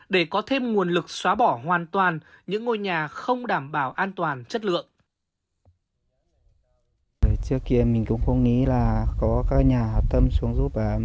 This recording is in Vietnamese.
để có thêm nguồn lực xóa bỏ hoàn toàn những ngôi nhà không đảm bảo an toàn chất lượng